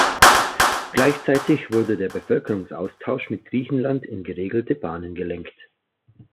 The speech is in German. Gleichzeitig wurde der „Bevölkerungsaustausch“ mit Griechenland in geregelte Bahnen gelenkt.